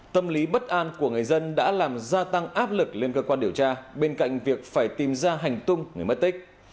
tâm lý bất an của người dân đã làm gia tăng áp lực lên cơ quan điều tra bên cạnh việc phải tìm ra hành tung người mất tích